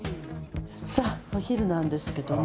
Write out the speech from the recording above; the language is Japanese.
さぁお昼なんですけどね。